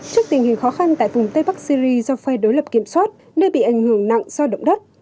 trước tình hình khó khăn tại vùng tây bắc syri do phai đối lập kiểm soát nơi bị ảnh hưởng nặng do động đất